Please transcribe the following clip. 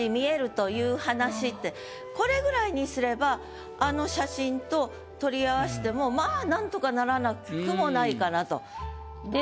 これぐらいにすればあの写真と取り合わせてもまぁ何とかならなくもないかなと。